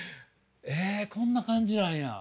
えこんな感じなんや。